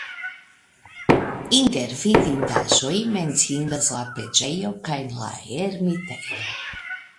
Inter vidindaĵoj menciindas la preĝejo kaj la ermitejo.